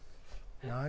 何？